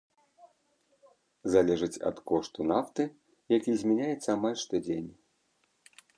Залежыць ад кошту нафты, які змяняецца амаль штодзень.